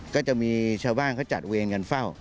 ก็จะมีชาวบ้านเขาจัดเวรกันเฝ้า